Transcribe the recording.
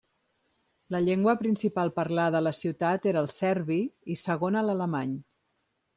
La llengua principal parlada a la ciutat era el serbi i segona l'alemany.